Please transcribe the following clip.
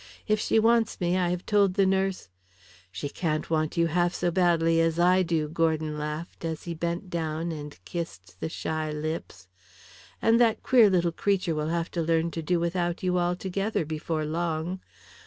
If she wants me I have told the nurse " "She can't want you half so badly as I do," Gordon laughed as he bent down and kissed the shy lips. "And that queer little creature will have to learn to do without you altogether before long.